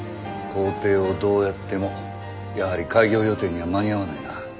工程をどうやってもやはり開業予定には間に合わないな。